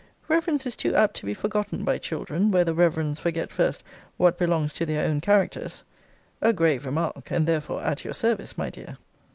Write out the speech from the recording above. Reverence is too apt to be forgotten by children, where the reverends forget first what belongs to their own characters. A grave remark, and therefore at your service, my dear.